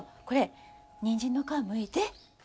これにんじんの皮むいて。